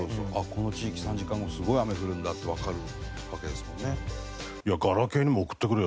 この地域３時間後すごい雨降るんだってわかるわけですもんね。